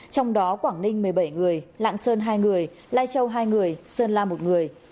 trong đó quảng ninh một mươi bảy người lạng sơn hai người lai châu hai người sơn la một người